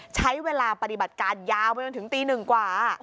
ใช้เวลาปฏิบัติการยาวไปจนถึงตีหนึ่งกว่า